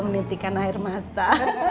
menitikan air mata